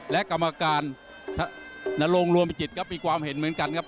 และกรรมการนโรงรวมจิตก็มีความเห็นเหมือนกันครับ